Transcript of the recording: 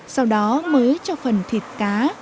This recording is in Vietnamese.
sau đó mới cho phần thịt cá